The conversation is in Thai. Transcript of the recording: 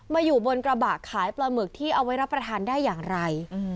อยู่บนกระบะขายปลาหมึกที่เอาไว้รับประทานได้อย่างไร